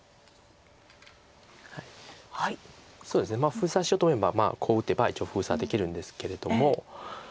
封鎖しようと思えばこう打てば一応封鎖できるんですけれども。